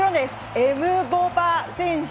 エムボパ選手。